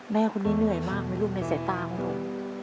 แม่คนนี้เหนื่อยมากไหมลูกในสายตาของหนู